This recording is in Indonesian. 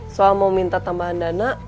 soal mau minta tambahan dana